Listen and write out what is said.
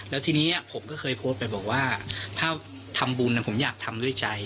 แล้วทีนี้ผมก็เคยโพสต์ไปบอกว่าถ้าทำบุญผมอยากทำด้วยใจ